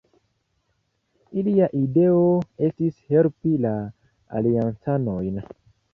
Ilia ideo estis helpi la Aliancanojn.